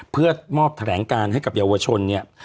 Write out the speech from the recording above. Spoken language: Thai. เพื่อมอบแถลงการให้กับเยาวชนเนี่ย